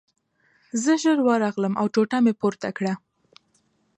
زه ژر ورغلم او ټوټه مې پورته کړه